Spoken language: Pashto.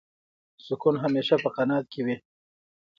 سکون همېشه په قناعت کې وي.